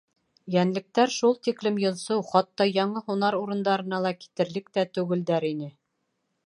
Йәнлектәр шул тиклем йонсоу, хатта яңы һунар урындарына китерлек тә түгелдәр ине.